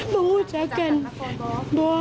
รู้จักกันบอล